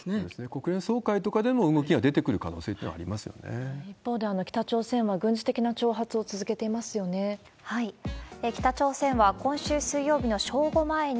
国連総会とかでも動きは出てくる可能性というの一方で、北朝鮮は軍事的な挑北朝鮮は、今週水曜日の正午前に、